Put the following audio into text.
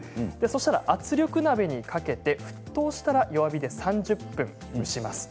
圧力鍋にかけて沸騰したら弱火で３０分蒸します。